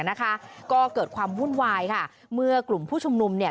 นะคะก็เกิดความวุ่นวายค่ะเมื่อกลุ่มผู้ชุมนุมเนี่ย